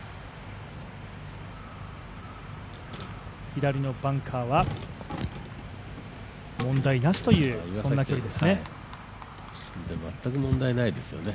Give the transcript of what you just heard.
左のバンカーは問題なしというそんな距離ですね。